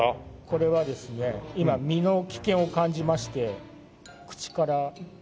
これはですね今身の危険を感じまして口から。